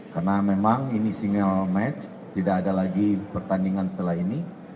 karena memang ini single match tidak ada lagi pertandingan setelah ini